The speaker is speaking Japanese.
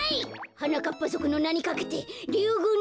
はなかっぱぞくのなにかけてリュウグウ